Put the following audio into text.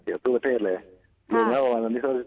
เกี่ยวกับทั่วประเทศเลย